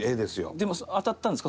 でも当たったんですか？